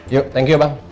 yuk thank you bang